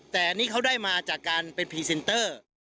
แต่อันนี้เขาได้มาจากการเป็นพรีเซนเตอร์